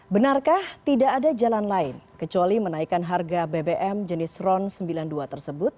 benarkah tidak ada jalan lain kecuali menaikan harga bbm jenis ron sembilan puluh dua tersebut